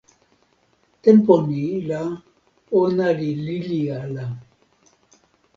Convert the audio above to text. tenpo ni la ona li lili ala.